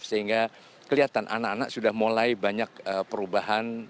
sehingga kelihatan anak anak sudah mulai banyak perubahan